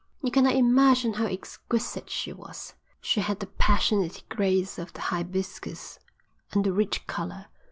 You cannot imagine how exquisite she was. She had the passionate grace of the hibiscus and the rich colour.